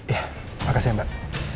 iya makasih ya mbak